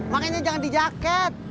makanya jangan di jaket